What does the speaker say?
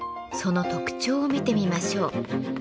その特徴を見てみましょう。